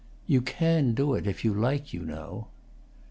"You can do it if you like, you know."